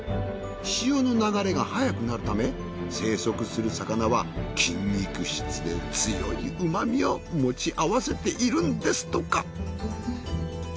潮の流れが速くなるため生息する魚は筋肉質で強い旨みを持ち合わせているんですとか。